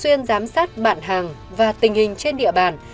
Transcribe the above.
xuyên giám sát bạn hàng và tình hình trên địa bàn